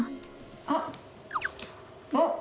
あっ。おっ。